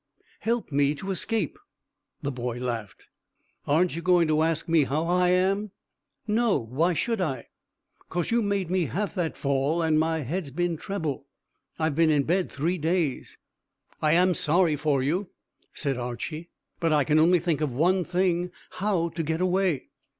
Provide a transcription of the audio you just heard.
"Help me to escape." The boy laughed. "Aren't you going to ask me how I am?" "No; why should I?" "'Cause you made me have that fall, and my head's been trebble. I've been in bed three days." "I am sorry for you," said Archy; "but I can only think of one thing how to get away."